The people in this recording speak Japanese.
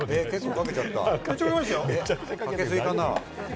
かけすぎかな？